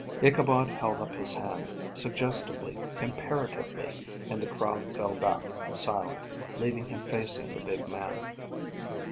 Ichabod held up his hand, suggestively, imperatively, and the crowd fell back, silent, leaving him facing the big man.